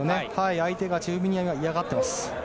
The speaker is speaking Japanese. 相手が、チフビミアニが嫌がっています。